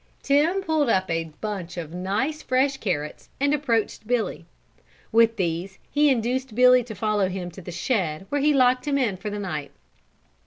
Tim pulled up a bunch of nice, fresh carrots and approached Billy. With these he induced Billy to follow him to the shed where he locked him in for the night.